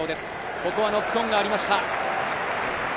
ここはノックオンがありました。